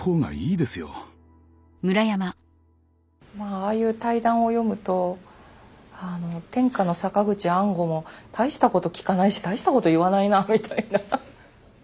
ああいう対談を読むと天下の坂口安吾も大したこと聞かないし大したこと言わないなみたいな。